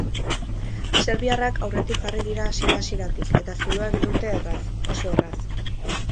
Serbiarrak aurretik jarri dira hasiera-hasieratik eta zuloa egin dute erraz, oso erraz.